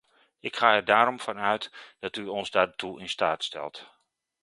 Ik ga er daarom van uit dat u ons daartoe in staat stelt.